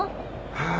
はあ。